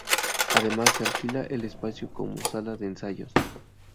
Además se alquila el espacio como sala de ensayos.